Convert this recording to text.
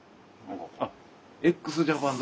あっＸＪＡＰＡＮ